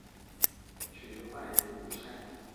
学坏晒！